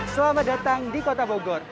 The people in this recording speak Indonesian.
selamat datang di kota bogor